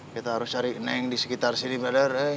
kita harus cari neng di sekitar sini brother